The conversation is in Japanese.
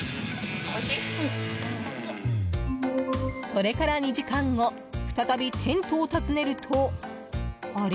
それから２時間後再びテントを訪ねるとあれ？